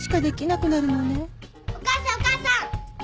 お母さんお母さん。